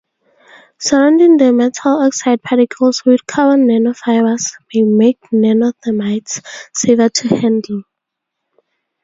Surrounding the metal oxide particles with carbon nanofibers may make nanothermites safer to handle.